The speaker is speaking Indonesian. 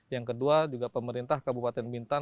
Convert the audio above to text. yang kedua juga pemerintah kabupaten bintan